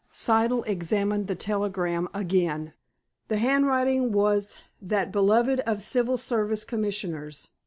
Siddle examined the telegram again. The handwriting was that beloved of Civil Service Commissioners.